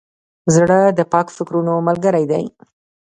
زړه د پاک فکرونو ملګری دی.